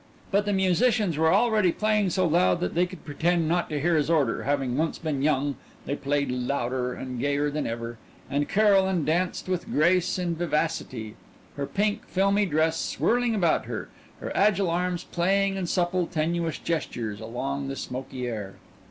But the musicians were already playing so loud that they could pretend not to hear his order; having once been young, they played louder and gayer than ever, and Caroline danced with grace and vivacity, her pink, filmy dress swirling about her, her agile arms playing in supple, tenuous gestures along the smoky air.